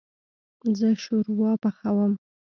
زه شوروا پخوم